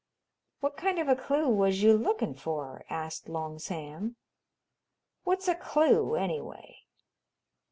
"What kind of a clue was you lookin' for?" asked Long Sam. "What's a clue, anyway?"